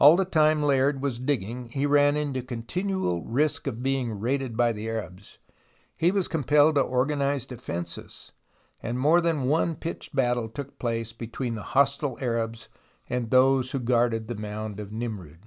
All the time Layard was digging he ran continual risk of being raided by the Arabs. He was com pelled to organize defences, and more than one pitched battle took place between the hostile Arabs and those who guarded the mound of Nimroud.